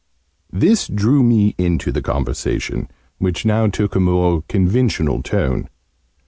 This drew me into the conversation, which now took a more conventional tone.